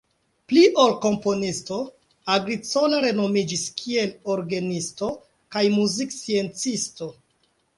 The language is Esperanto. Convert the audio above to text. Pli ol komponisto Agricola renomiĝis kiel orgenisto kaj muziksciencisto.